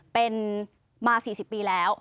เป็นมา๔๐ปีแล้ว